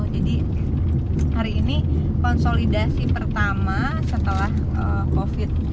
jadi hari ini konsolidasi pertama setelah covid